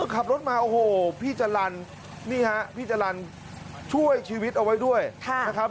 อ๋อขับรถมาโอ้โหพี่จัลลันนี่ฮะพี่จัลลันช่วยชีวิตเอาไว้ด้วยครับ